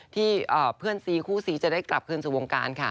ที่เพื่อนซีคู่ซีจะได้กลับคืนสู่วงการค่ะ